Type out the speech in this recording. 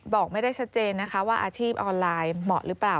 บอกไม่ได้ชัดเจนนะคะว่าอาชีพออนไลน์เหมาะหรือเปล่า